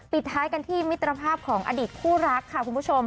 ปิดท้ายกันที่มิตรภาพของอดีตคู่รักค่ะคุณผู้ชม